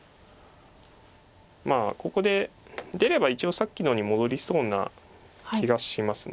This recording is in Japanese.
まあここで出れば一応さっきのに戻りそうな気がします。